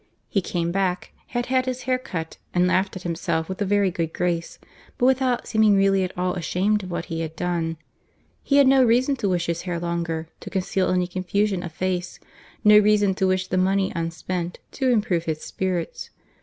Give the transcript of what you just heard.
He came back, had had his hair cut, and laughed at himself with a very good grace, but without seeming really at all ashamed of what he had done. He had no reason to wish his hair longer, to conceal any confusion of face; no reason to wish the money unspent, to improve his spirits.